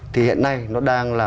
thì hiện nay nó đang là